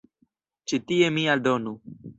Ĉi tie mi aldonu.